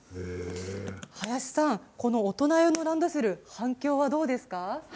林さん、この大人用のランドセル反響はどうですか。